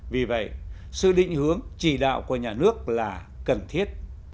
vì vậy sự định hướng chỉ đạo của nhà nước là cần thiết